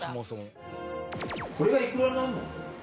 これがイクラになるの？